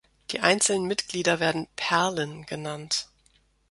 Die einzelnen Mitglieder werden "Perlen" genannt.